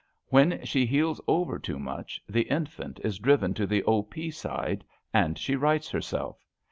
When she heels over too much the Infant is driven to the 0. P. side and she rights herself.